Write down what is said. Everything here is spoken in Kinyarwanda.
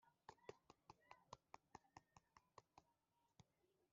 kandi nubwo tutizera, we ahora ari uwo kwizerwa,